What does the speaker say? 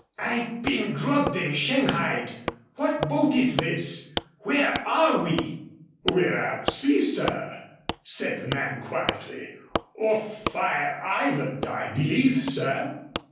"I've been drugged and shanghaied. What boat is this? Where are we?" "We're at sea, sir," said the man, quietly. "Off Fire Island, I believe, sir."